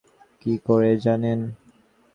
কি করে জানেন?